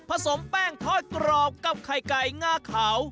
สมแป้งทอดกรอบกับไข่ไก่งาขาว